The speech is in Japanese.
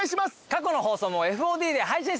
過去の放送もＦＯＤで配信してます。